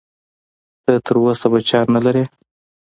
ته تر اوسه بچیان نه لرې؟